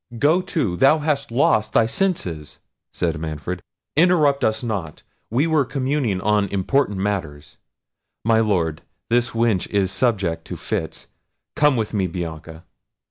"Go to, thou hast lost thy senses," said Manfred. "Interrupt us not; we were communing on important matters—My Lord, this wench is subject to fits—Come with me, Bianca."